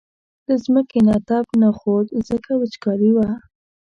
له ځمکې نه تپ نه خوت ځکه وچکالي وه.